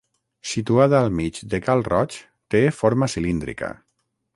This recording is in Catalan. Situada al mig de Cal Roig, té forma cilíndrica.